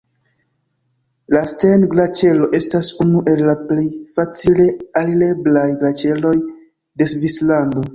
La Stein-Glaĉero estas unu el la plej facile alireblaj glaĉeroj de Svislando.